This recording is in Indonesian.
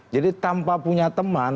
jadi tanpa punya teman